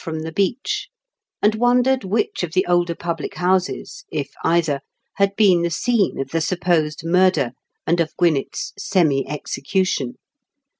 223 from the beach, and wondered which of the older public houses — if either — ^had been the scene of the supposed murder and of Gwinett's semi execution.